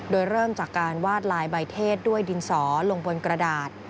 โดยเริ่มจากการวาดลายใบเทศด้วยดินสอลงบนกระดาษ